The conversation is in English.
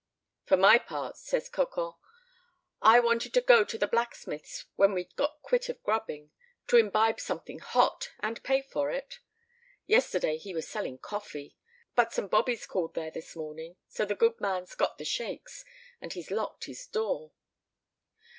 "For my part," says Cocon, "I wanted to go to the blacksmith's when we'd got quit of grubbing, to imbibe something hot, and pay for it. Yesterday he was selling coffee, but some bobbies called there this morning, so the good man's got the shakes, and he's locked his door."